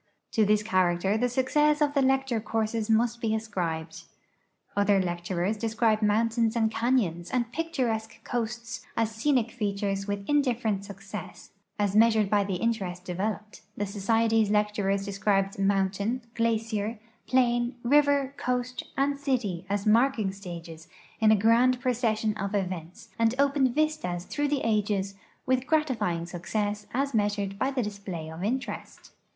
To this character the success of the lecture courses must be ascribed. Other lecturers describe mountains and canyons and picturesque coasts as scenic features with in different success as measured bv the interest developed ; the Society's lecturers descril>ed mountain, glacier, plain, river, coast, and city as marking stages in a grand procession of events, and opened vistas through the ages with gratifying succe.ss as meas ured b\' the display of interest.